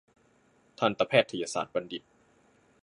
ทันตแพทยศาสตรบัณฑิต